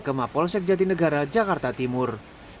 ke mapol sekjati negara jakarta timur